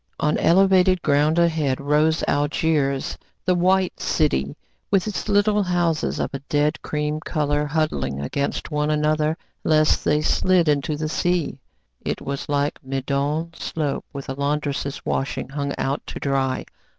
On elevated ground ahead rose Algiers, the White City, with its little houses of a dead cream colour huddling against one another lest they slid into the sea. It was like Meudon slope with a laundress's washing hung out to dry.